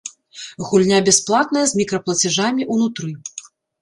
Гульня бясплатная з мікраплацяжамі унутры.